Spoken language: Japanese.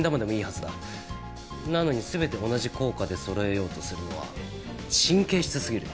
なのに全て同じ硬貨でそろえようとするのは神経質すぎる。